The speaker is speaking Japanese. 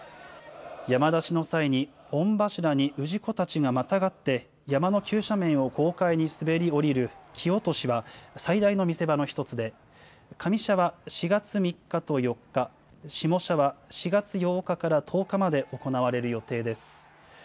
山出しの際に御柱に氏子たちがまたがって、山の急斜面を豪快に滑り降りる木落しは、最大の見せ場の一つで、上社は４月３日と４日、下社は４月８日から１０日まで行われる予定です。